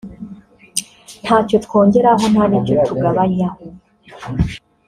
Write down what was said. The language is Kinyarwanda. ntacyo twongeraho nta n’icyo tugabanyaho”